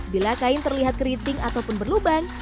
bila kain terlihat keriting ataupun berlubang